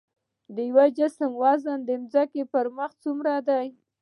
د یو جسم وزن د ځمکې پر مخ څومره دی؟